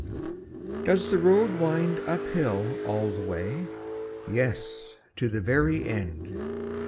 Does the road wind up hill all the way? Yes, to the very end.